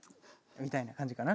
みたいな感じかな